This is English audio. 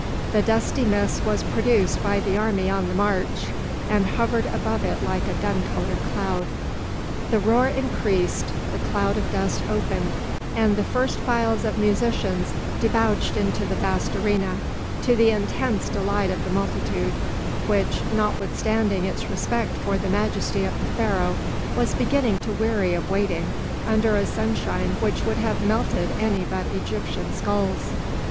The dusty mist was produced by the army on the march, and hovered above it like a dun coloured cloud. The roar increased, the cloud of dust opened, and the first files of musicians debouched into the vast arena, to the intense delight of the multitude, which, notwithstanding its respect for the majesty of the Pharaoh, was beginning to weary of waiting under a sunshine which would have melted any but Egyptian skulls.